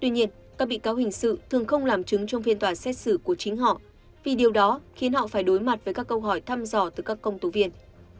tuy nhiên các bị cáo hình sự thường không làm chứng trong phiên tòa xét xử của chính họ vì điều đó khiến họ phải đối mặt với các câu hỏi thăm dò từ các công tố viên